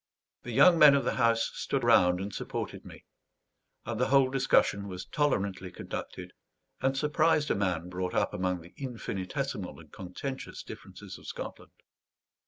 The young men of the house stood round and supported me; and the whole discussion was tolerantly conducted, and surprised a man brought up among the infinitesimal and contentious differences of Scotland.